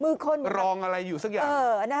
มือคนค่ะรองอะไรอยู่สักอย่าง